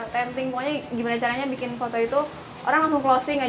testing pokoknya gimana caranya bikin foto itu orang langsung closing aja